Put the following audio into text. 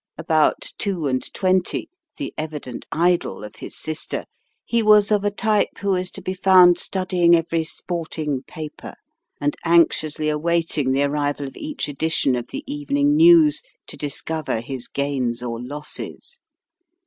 About two and twenty, the evi dent idol of his sister, he was of a type who is to be found studying every sporting paper, and aiixiously awaiting the arrival of each edition of the Evening News, to discover his gains or losses.